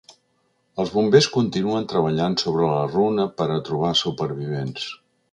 Els bombers continuen treballant sobre la runa per a trobar supervivents.